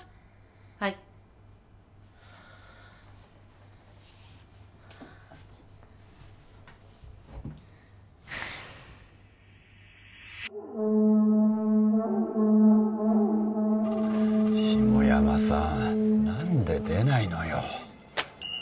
はい下山さん何で出ないのよ？